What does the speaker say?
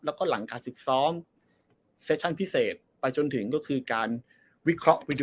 แล้วก็หลังการฝึกซ้อมเซชั่นพิเศษไปจนถึงก็คือการวิเคราะห์